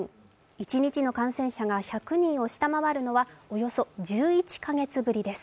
一日の感染者が１００人を下回るのはおよそ１１カ月ぶりです。